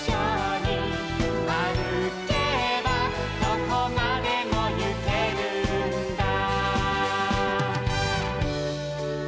「どこまでもゆけるんだ」